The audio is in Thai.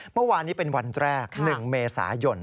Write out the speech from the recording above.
เมื่อวานนี้เป็นวันแรก๑เมษายน